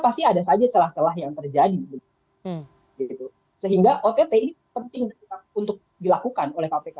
sehingga ott ini penting untuk dilakukan oleh kpk